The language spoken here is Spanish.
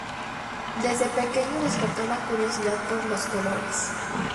Desde pequeño despertó la curiosidad por los colores.